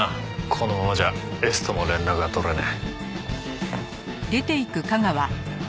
このままじゃエスとも連絡が取れねえ。